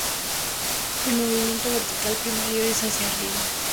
El movimiento vertical primario es hacia arriba.